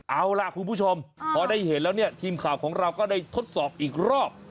เอาล่ะคุณผู้ชมพอได้เห็นแล้วเนี่ยทีมข่าวของเราก็ได้ทดสอบอีกรอบ